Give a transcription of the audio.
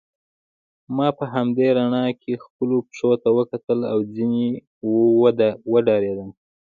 ما په همدې رڼا کې خپلو پښو ته وکتل او ځینې وډارېدم.